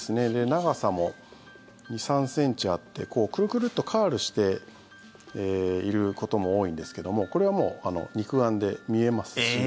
長さも２３ｃｍあってクルクルとカールしていることも多いんですけどもこれはもう肉眼で見えます。